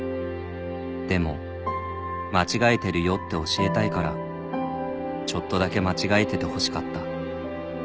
「でも間違えてるよって教えたいからちょっとだけ間違えててほしかった」